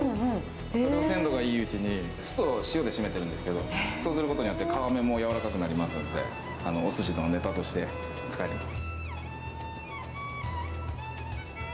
それを鮮度がいいうちに、酢と塩でしめているんですけど、そうすることによって、皮目も柔らかくなりますんで、おすしのネタとして使えます。